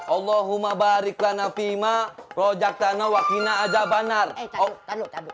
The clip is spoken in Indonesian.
allahumma barik lanafima rojak tanawa kina azab anart